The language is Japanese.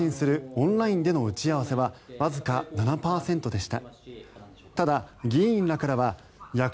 オンラインでの打ち合わせはわずか７％でした。